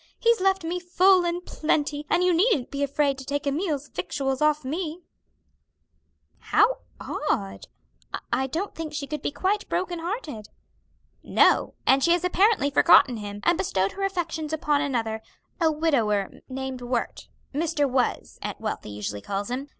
He's left me full and plenty, and you needn't be afraid to take a meal's victuals off me'!" "How odd! I don't think she could be quite broken hearted." "No, and she has apparently forgotten him, and bestowed her affections upon another; a widower named Wert. Mr. Was, Aunt Wealthy usually calls him.